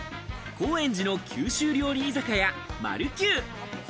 高円寺の九州料理居酒屋マルキュウ。